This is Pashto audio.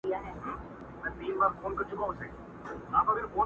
دا د پېړیو مزل مه ورانوی!.